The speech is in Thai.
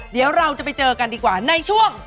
เดี๋ยวเราจะไปเจอกันดีกว่าในช่วง